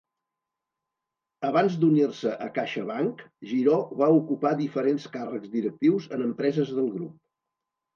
Abans d'unir-se a CaixaBank, Giró va ocupar diferents càrrecs directius en empreses del grup.